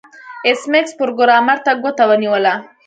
ایس میکس پروګرامر ته ګوته ونیوله